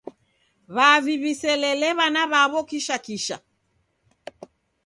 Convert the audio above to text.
W'avi w'iselele w'ana w'aw'o kishakisha.